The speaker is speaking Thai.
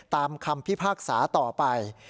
ตามคำพิพากษาต่อไป